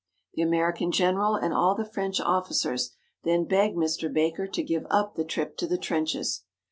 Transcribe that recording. The American general and all the French officers then begged Mr. Baker to give up the trip to the trenches.